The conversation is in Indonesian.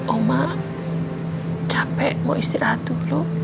oma capek mau istirahat dulu